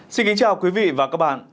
xin kính chào quý vị và các bạn